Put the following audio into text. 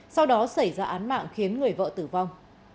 sau đó xảy ra án mạng khiến người vợ tử vong